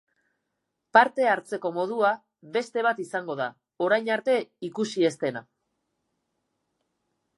Parte hartzeko modua beste bat izango da, orain arte ikusi ez dena.